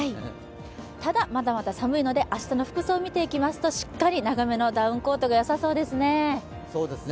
ただ、まだまだ寒いので明日の服装を見ていきますとしっかり長めのダウンコートがよさそうですね。